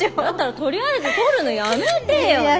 だったらとりあえず撮るのやめてよ。